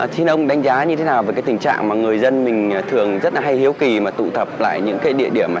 xin ông đánh giá như thế nào về tình trạng người dân thường rất hay hiếu kỳ tụ tập lại những địa điểm